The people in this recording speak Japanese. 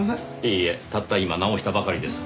いいえたった今直したばかりです。